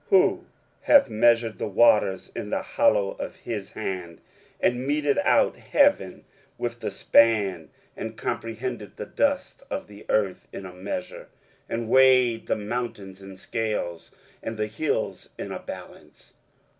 23:040:012 Who hath measured the waters in the hollow of his hand, and meted out heaven with the span, and comprehended the dust of the earth in a measure, and weighed the mountains in scales, and the hills in a balance?